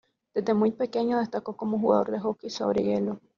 Desde muy pequeño destacó como jugador de hockey sobre hielo.